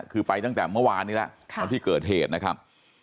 คือไปตั้งแต่เมื่อวานนี้แล้ววันที่เกิดเหตุนะครับ